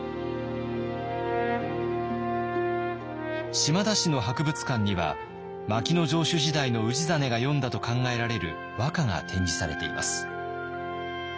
島田市の博物館には牧野城主時代の氏真が詠んだと考えられる和歌が展示されています。